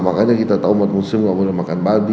makanya kita tahu umat muslim tidak boleh makan babi